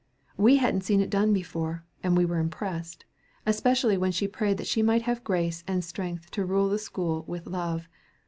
We hadn't seen it done before, and we were impressed, especially when she prayed that she might have grace and strength to rule the school with love.